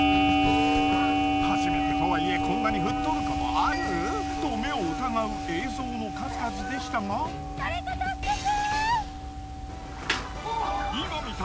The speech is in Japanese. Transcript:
初めてとはいえこんなに吹っ飛ぶことある！？と目を疑う映像の数々でしたが誰か助けて！